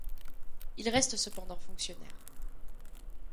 Il reste cependant fonctionnaire.